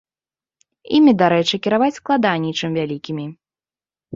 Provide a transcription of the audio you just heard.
Імі, дарэчы, кіраваць складаней, чым вялікімі.